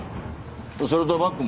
それとバッグも。